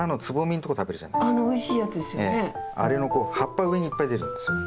あれのこう葉っぱ上にいっぱい出るんですよ。